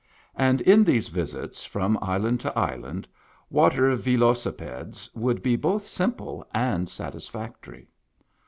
And in these visits from island to island, water velocipedes would be both simple and satisfactory.